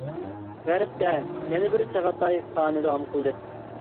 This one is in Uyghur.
غەربتە يەنە بىر چاغاتاي خانى داۋام قىلدى.